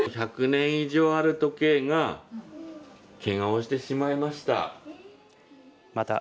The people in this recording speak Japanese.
１００年以上ある時計がけがをしてしまいました。